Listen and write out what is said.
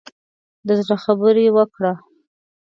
د زړه خبرې وکړه.